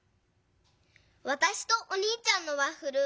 わたしとおにいちゃんのワッフル